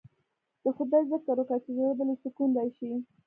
د خداى ذکر وکه چې زړه له دې سکون رايشي.